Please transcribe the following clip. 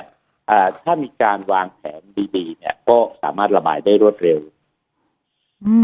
อ่าถ้ามีการวางแผนดีดีเนี้ยก็สามารถระบายได้รวดเร็วอืม